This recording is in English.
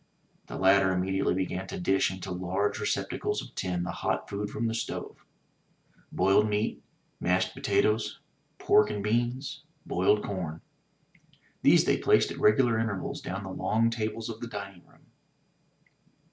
The latter immediately began to dish into large recep tacles of tin the hot food from the stove — ^boiled meat, mashed potatoes, pork and beans, boiled com. These they placed at regular intervals down the long tables of the dining room.